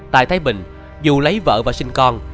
tại thái bình dù lấy vợ và sinh con